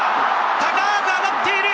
高く上がっている！